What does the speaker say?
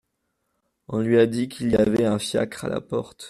On lui a dit qu'il y avait un fiacre à la porte.